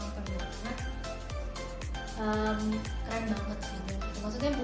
disuruh nyebutin satu